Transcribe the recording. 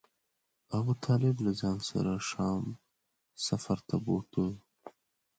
ابو طالب له ځان سره شام سفر ته بوته.